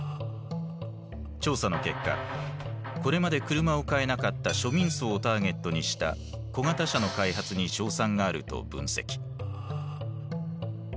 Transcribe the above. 調査の結果これまで車を買えなかった庶民層をターゲットにした小型車の開発に勝算があると分析。